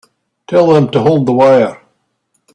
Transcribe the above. Tell them to hold the wire.